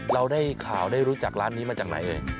เราได้ข่าวได้รู้จักร้านนี้มาจากไหนเอ่ย